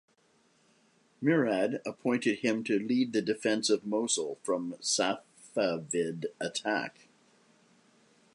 Murad appointed him to lead the defense of Mosul from Safavid attack.